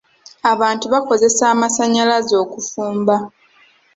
Abantu bakozesa amasannyalaze okufumba.